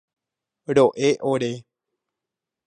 Ro'e ore.